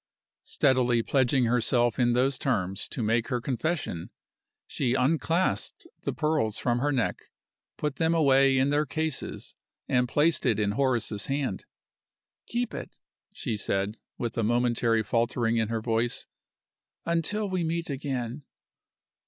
Steadily pledging herself in those terms to make her confession, she unclasped the pearls from her neck, put them away in their cases and placed it in Horace's hand. "Keep it," she said, with a momentary faltering in her voice, "until we meet again."